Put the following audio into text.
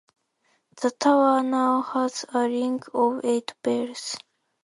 The tower now has a ring of eight bells.